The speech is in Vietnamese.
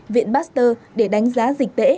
viện pasteur để đánh giá dịch tễ